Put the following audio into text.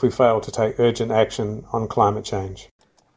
jika kita gagal mengambil aksi urgen di perang krim